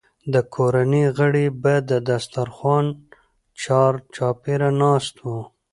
د کورنۍ غړي به د دسترخوان چارچاپېره ناست وو.